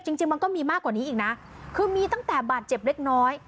จริงจริงมันก็มีมากกว่านี้อีกนะคือมีตั้งแต่บาดเจ็บเล็กน้อย